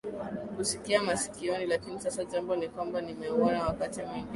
kusikia masikioni lakini sasa jambo ni kwamba nimeona wakati mwingi